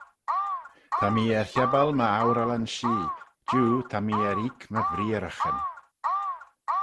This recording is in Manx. Ta mee er hebbal my ourallyn-shee: jiu ta mee er eeck my vreearraghyn.